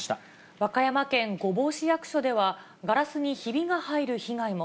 和歌山県御坊市役所では、ガラスにひびが入る被害も。